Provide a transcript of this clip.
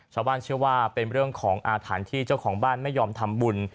ชาวบ้านเชื่อว่าเป็นเรื่องของอาถรรพ์ที่เจ้าของบ้านไม่ยอมทำบุญ